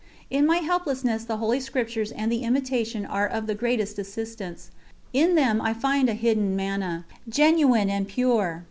In my helplessness the Holy Scriptures and the Imitation are of the greatest assistance; in them I find a hidden manna, genuine and pure.